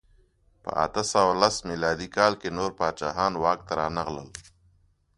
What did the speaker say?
په اته سوه لس میلادي کال کې نور پاچاهان واک ته رانغلل.